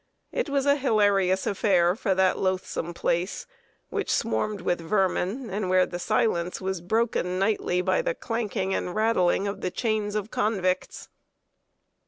It was an hilarious affair for that loathsome place, which swarmed with vermin, and where the silence was broken nightly by the clanking and rattling of the chains of convicts.